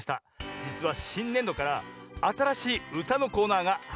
じつはしんねんどからあたらしいうたのコーナーがはじまるんですねぇ。